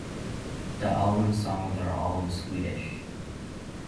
The album's songs are all in Swedish.